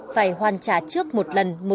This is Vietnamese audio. phải hoàn trả trước một lần